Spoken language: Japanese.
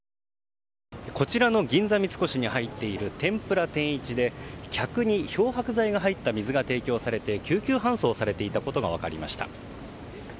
こちらの銀座三越に入っている天ぷら天一で客に漂白剤が入った水が提供されて救急搬送されていたことが分かりました。